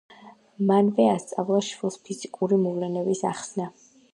მანვე ასწავლა შვილს ფიზიკური მოვლენების ახსნა.